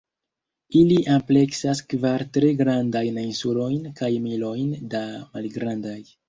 Ili ampleksas kvar tre grandajn insulojn, kaj milojn da malgrandaj.